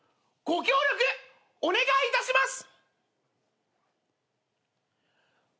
ご協力お願いいたします。